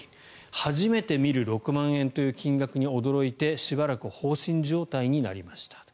初めて見る６万円という金額に驚いてしばらく放心状態になりました。